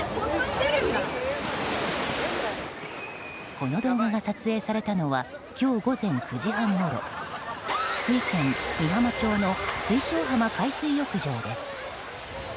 この動画が撮影されたのは今日午前９時半ごろ福井県美浜町の水晶浜海水浴場です。